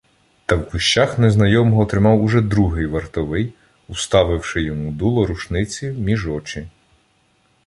Та в кущах незнайомого тримав уже другий вартовий, уставивши йому дуло рушниці між очі.